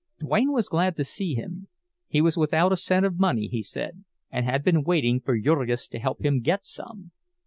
Duane was glad to see him; he was without a cent of money, he said, and had been waiting for Jurgis to help him get some.